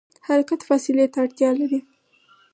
حرکت فاصلې ته اړتیا لري.